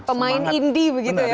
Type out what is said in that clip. pemain indie begitu ya